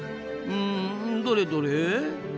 うんどれどれ？